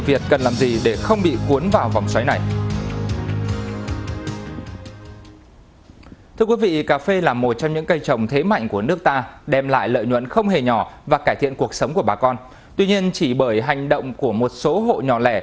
các bạn hãy đăng ký kênh để ủng hộ kênh của chúng mình nhé